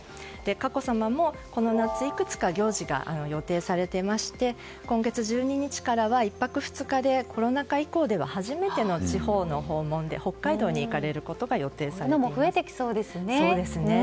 佳子さまもこの夏、いくつか行事が予定されていまして今月１２日からは１泊２日でコロナ禍以降では初めての地方の訪問で北海道に行かれることが今後も増えていきそうですね。